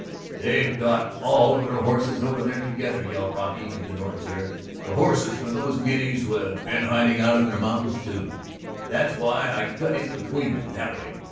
"They've got all of their horses over there together," yelled Brocky into Norton's ear. "The horses for those Ginneys who have been hiding out in the mountains, too. That's why I cut in between them that way.